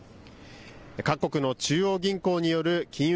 各国の中央銀行による金融